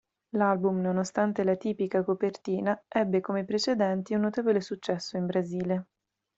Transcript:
L'album, nonostante l'atipica copertina, ebbe, come i precedenti, un notevole successo in Brasile.